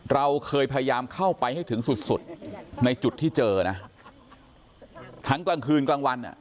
เราเคยพยายามเข้าไปให้ถึงสุดสุดในจุดที่เจอนะทั้งกลางคืนกลางวันอ่ะ